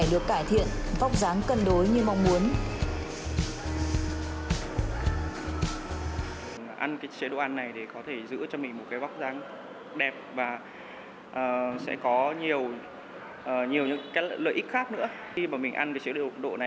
được cải thiện vóc dáng cân đối như mong muốn